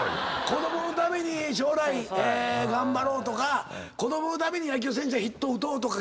子供のために将来頑張ろうとか子供のために野球選手がヒット打とうとか。